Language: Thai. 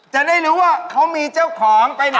จะได้รู้ว่าเขามีเจ้าของไปไหน